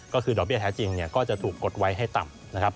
ก็คือดอกเบี้ยแท้จริงก็จะถูกกดไว้ให้ต่ำนะครับ